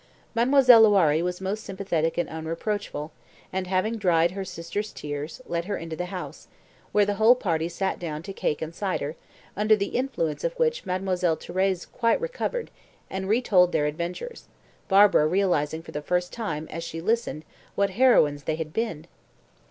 Mademoiselle Loiré was most sympathetic and unreproachful, and, having dried her sister's tears, led her into the house, where the whole party sat down to cake and cider, under the influence of which Mademoiselle Thérèse quite recovered, and retold their adventures, Barbara realising for the first time, as she listened, what heroines they had been!